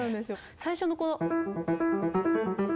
最初のこの。